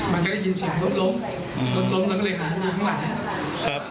มันก็ได้ยินเสียงล้มล้มแล้วก็เลยหาลูกข้างหลัง